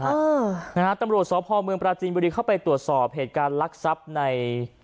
เออนะฮะตำรวจสพเมืองปราจีนบุรีเข้าไปตรวจสอบเหตุการณ์ลักษัพใน